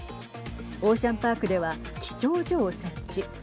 オーシャンパークでは記帳所を設置。